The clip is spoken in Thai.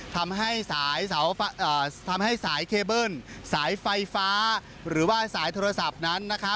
ทำให้สายเคเบิ้ลสายไฟฟ้าหรือว่าสายโทรศัพท์นั้น